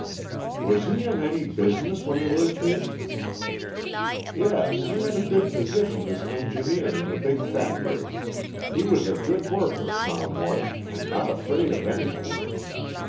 "Was he in any business when he lived here?" "Yes, he had a good position as engineer in a big factory. He was a good worker, Tom was, and not afraid of anything.